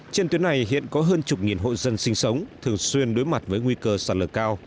trên tuyến này hiện có hơn chục nghìn hộ dân sinh sống thường xuyên đối mặt với nguy cơ sạt lở cao